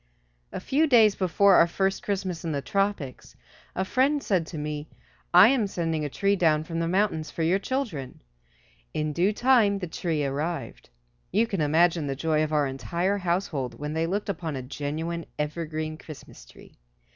A few days before our first Christmas in the tropics a friend said to me, "I am sending a tree down from the mountains for your children." In due time the tree arrived. You can imagine the joy of our entire household when they looked upon a genuine, evergreen, Christmas tree.